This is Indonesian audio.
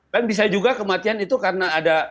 dan bisa juga kematian itu karena ada